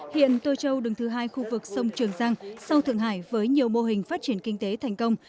hiện tô châu đứng thứ hai khu vực sông trường giang sau thượng hải với nhiều mô hình phát triển kinh tế thành công